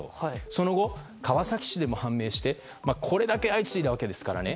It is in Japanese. その後、川崎市でも判明して、これだけ相次いだわけですからね。